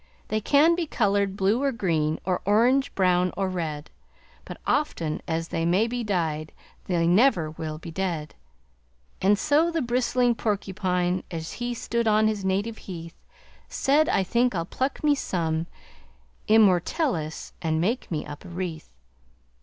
They can be colored blue or green Or orange, brown, or red, But often as they may be dyed They never will be dead.' And so the bristling porcupine As he stood on his native heath, Said, I think I'll pluck me some immmortelles And make me up a wreath.'